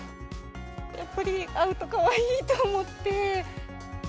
やっぱり会うとかわいいと思って。